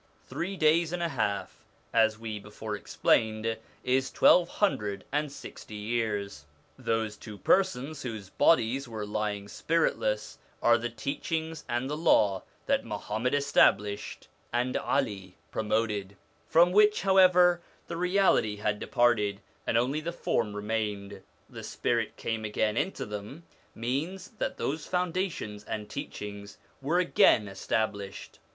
Three days and a half, as we before explained, is twelve hundred and sixty years. Those two persons whose bodies were lying spiritless, are the teachings and the Law that Muhammad established and 'Ali promoted, 1 Another name for the Quran, signifying the Distinction. 64 SOME ANSWERED QUESTIONS from which, however, the reality had departed and only the form remained. The spirit came again into them, means that those foundations and teachings were again established.